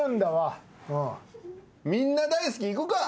みんな大好きいくか。